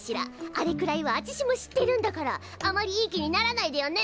あれくらいはあちしも知ってるんだからあまりいい気にならないでよね。